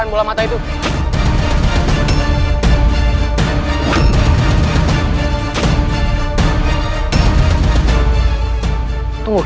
tidak tidak tidak